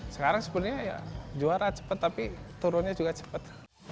sekarang sebenarnya ya juara cepat tapi turunnya juga cepet